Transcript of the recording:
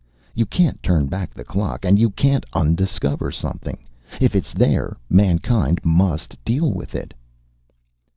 You can't turn back the clock, and you can't un discover something. If it's there, mankind must deal with it!"